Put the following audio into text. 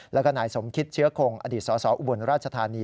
แล้วก็นายสมคิดเชื้อคงอดีตสออุบลราชธานี